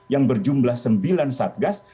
yang berjumlah sembilan satgas